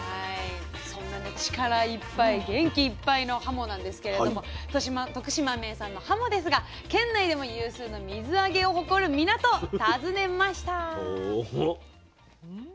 そんな力いっぱい元気いっぱいのはもなんですけれども徳島名産のはもですが県内でも有数の水揚げを誇る港訪ねました。